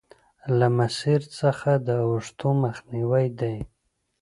له مسیر څخه د اوښتو مخنیوی دی.